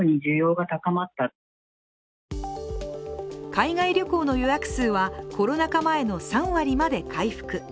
海外旅行の予約数はコロナ禍前の３割まで回復。